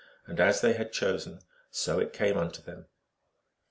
And as they had chosen so it came unto them.